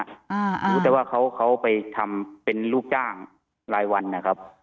รู้แต่ว่าเขาไปทำเป็นลูกจ้างรายวันนะครับ